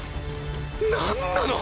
何なのっ！？